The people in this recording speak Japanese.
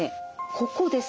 ここです。